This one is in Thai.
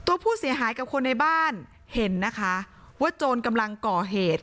ตัวผู้เสียหายกับคนในบ้านเห็นนะคะว่าโจรกำลังก่อเหตุ